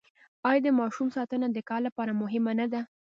آیا د ماشوم ساتنه د کار لپاره مهمه نه ده؟